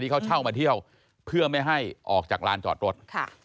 เขาเช่ามาเที่ยวเพื่อไม่ให้ออกจากลานจอดรถ